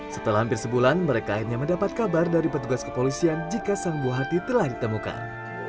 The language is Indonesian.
setelah hampir sebulan mereka akhirnya mendapat kabar dari petugas kepolisian jika sang buah hati telah ditemukan